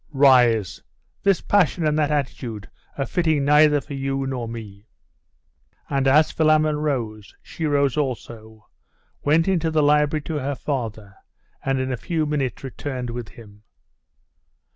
'Rise. This passion and that attitude are fitting neither for you nor me.' And as Philammon rose, she rose also, went into the library to her father, and in a few minutes returned with him.